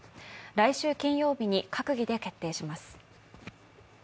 来週金曜日に閣議で決定します。